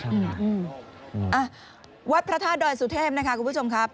อ่ะวัดพระธาตุดอยสุเทพนะคะคุณผู้ชมครับ